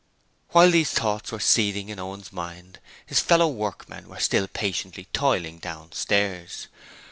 While these thoughts were seething in Owen's mind, his fellow workmen were still patiently toiling on downstairs.